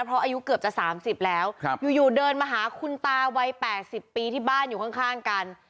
เพราะอายุเกือบจะสามสิบแล้วครับอยู่อยู่เดินมาหาคุณตาวัยแปดสิบปีที่บ้านอยู่ข้างข้างกัน